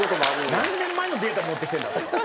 何年前のデータ持ってきてるんだと。